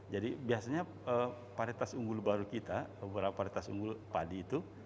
jadi biasanya varietas unggul baru kita varietas unggul padi itu